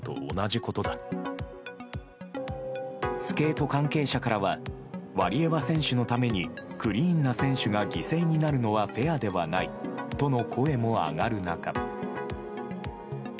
スケート関係者からはワリエワ選手のためにクリーンな選手が犠牲になるのはフェアではないとの声も上がる中。